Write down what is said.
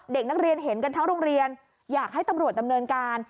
เด็กนักเรียนเห็นกันทั้งโรงเรียนอยากให้ตำรวจดำเนินการ